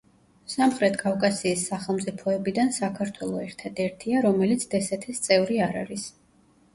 სამხრეთ კავკასიის სახელმწიფოებიდან საქართველო ერთადერთია, რომელიც დსთ-ს წევრი არ არის.